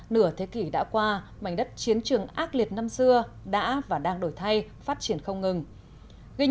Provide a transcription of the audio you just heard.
nửa thế kỷ đã qua mảnh đất chiến trường ác liệt năm xưa đã và đang đổi thay phát triển không ngừng